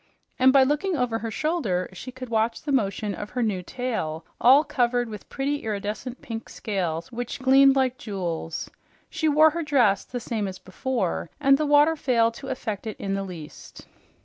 And by looking over her shoulder she could watch the motion of her new tail, all covered with pretty iridescent pink scales, which gleamed like jewels. She wore her dress the same as before, and the water failed to affect it in the least.